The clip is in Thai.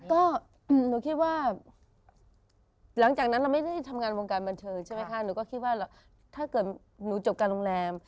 ก็หนูคิดว่าลังจากนั้นเราไม่ได้ทำงานในวงการบันเครื่องแต่งถ้าหนูจบการโรงแรม